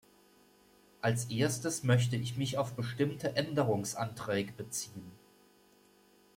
Als Erstes möchte ich mich auf bestimmte Änderungsanträge beziehen.